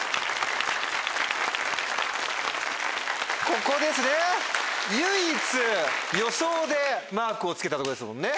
ここですね唯一予想でマークをつけたとこですもんね。